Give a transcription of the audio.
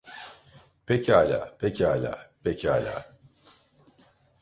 Pekala, pekala, pekala.